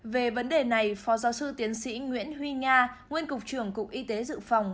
về vấn đề này phó giáo sư tiến sĩ nguyễn huy nga nguyên cục trưởng cục y tế dự phòng